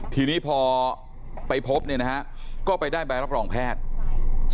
ทีนี้พอไปพบก็ไปได้ใบรับรองแพทย์